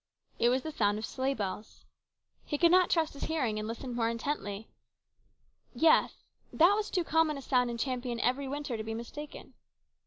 It was the sound of sleigh bells. He could not trust his hearing, and listened more intently. Yes, that was too common a sound in Champion every winter to be mistaken.